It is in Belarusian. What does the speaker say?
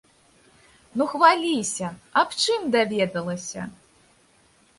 Ну хваліся, аб чым даведалася?